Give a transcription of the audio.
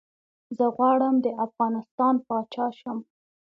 زه غواړم ده افغانستان پاچا شم